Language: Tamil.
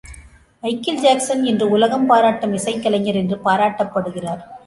மைக்கேல் ஜாக்சன் இன்று உலகம் பாராட்டும் இசைக்கலைஞர் என்று பாராட்டப்படுகிறார்.